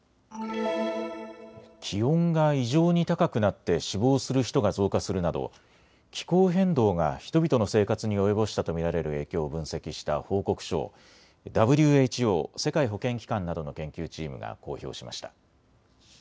気温が異常に高くなって死亡する人が増加するなど気候変動が人々の生活に及ぼしたと見られる影響を分析した報告書をＷＨＯ・世界保健機関などの研究チームが公表しました。